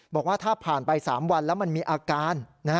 บอกว่าถ้าผ่านไป๓วันแล้วมันมีอาการ